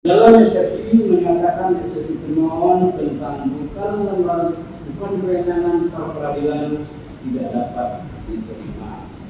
dalam resepsi menyatakan resepi penolong tentang bukan lembaran bukan perintahkan kalau peradilan tidak dapat diperima